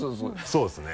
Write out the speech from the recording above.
そうですね。